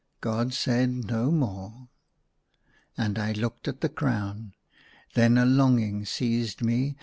God said no more. And I looked at the crown : then a longing seized me.